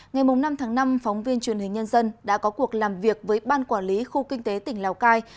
ngày năm tháng năm phóng viên truyền hình nhân dân đã có cuộc làm việc với ban quản lý khu kinh tế tỉnh lào cai